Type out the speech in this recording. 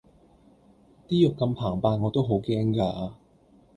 啲肉咁澎湃我都好驚㗎